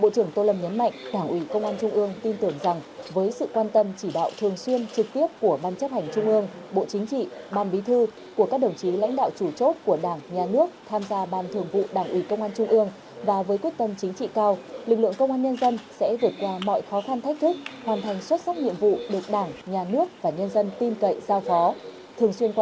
trong mặt đảng ủy công an trung ương bộ công an trung ương đầy tỏ vui mừng trân trọng cảm ơn những tình cảm sự quan tâm sâu sắc những lời động viên biểu dương của đồng chí tổng bí thư nguyễn phú trọng dành cho đảng ủy công an trung ương